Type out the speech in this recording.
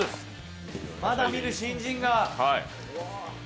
まだ見ぬ新人が。